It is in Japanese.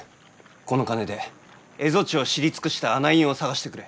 この金で蝦夷地を知り尽くした案内人を探してくれ。